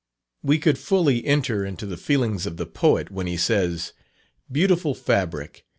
We could fully enter into the feelings of the Poet when he says: "Beautiful fabric!